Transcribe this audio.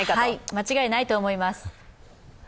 間違いないと思います。